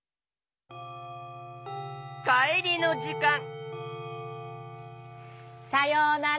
かえりのじかんさようなら。